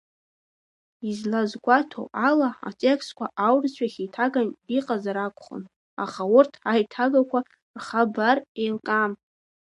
Излазгәаҭоу ала, атекстқәа аурысшәахь еиҭаган иҟазар акәхон, аха урҭ аиҭагақәа рхабар еилкаам.